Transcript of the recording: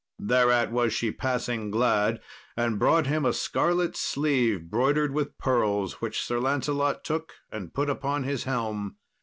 Thereat was she passing glad, and brought him a scarlet sleeve broidered with pearls, which Sir Lancelot took, and put upon his helm.